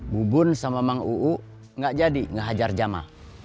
bubun sama mang uu gak jadi ngehajar jamal